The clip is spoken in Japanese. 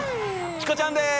チコちゃんです。